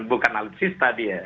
bukan alutsista dia